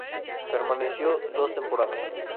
Permaneció dos temporadas.